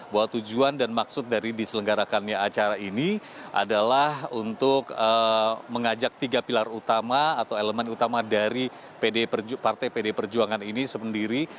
bahwa tujuan dan maksud dari diselenggarakannya acara ini adalah untuk mengajak tiga pilar utama atau elemen utama dari partai pd perjuangan ini sendiri